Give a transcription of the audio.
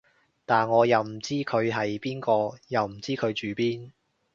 但我又唔知佢係邊個，又唔知佢住邊